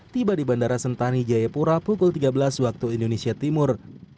tiba di bandara sentani jayapura pukul tiga belas waktu indonesia timur